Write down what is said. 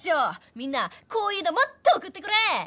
みんなこういうのもっと送ってくれ！